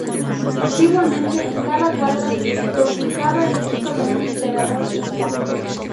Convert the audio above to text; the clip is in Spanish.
Antiguamente en cada cuadra se ubicaba el busto de un emperador inca.